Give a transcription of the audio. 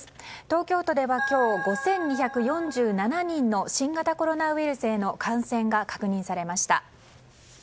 東京都では今日、５２４７人の新型コロナウイルスへの感染が確認されました。